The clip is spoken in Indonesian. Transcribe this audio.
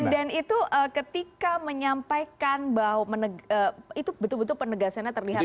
dan itu ketika menyampaikan bahwa itu betul betul penegasannya terlihat ya